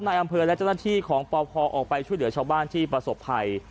ในอำเภอและเจ้าหน้าที่ของปพออกไปช่วยเหลือชาวบ้านที่ประสบภัย